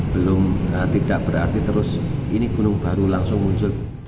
belum tidak berarti terus ini gunung baru langsung muncul